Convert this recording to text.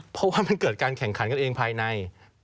เพราะว่ามันเกิดการแข่งขันกันเองภายใน